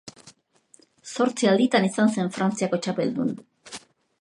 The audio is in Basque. Zortzi alditan izan zen Frantziako txapeldun.